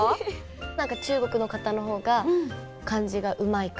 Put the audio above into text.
何か中国の方のほうが漢字がうまいから？